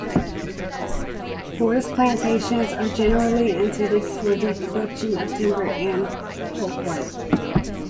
Forest plantations are generally intended for the production of timber and pulpwood.